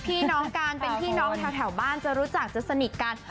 พี่น้องกันเป็นพี่น้องแถวบ้านจะรู้จักจะสนิทกัน